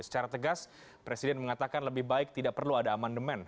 secara tegas presiden mengatakan lebih baik tidak perlu ada amandemen